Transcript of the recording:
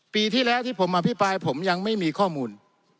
ปีที่แล้วที่ผมอภิปรายผมยังไม่มีข้อมูล